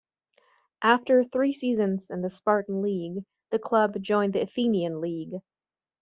After three seasons in the Spartan League the club joined the Athenian League.